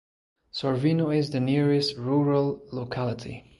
Sorvino is the nearest rural locality.